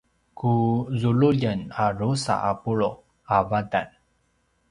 ku zululjen a drusa a pulu’ a vatan